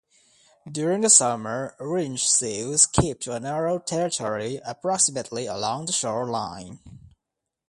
During the summer, ringed seals keep to a narrow territory approximately along the shoreline.